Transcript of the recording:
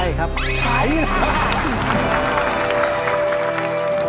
ใช่ครับใช้